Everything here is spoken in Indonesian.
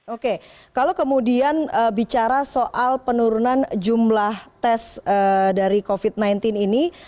oke kalau kemudian bicara soal penurunan jumlah tes dari covid sembilan belas ini